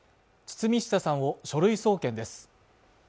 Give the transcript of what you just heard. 堤下さんを書類送検です